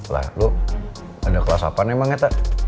lah lo ganda kelas apaan emang ya teh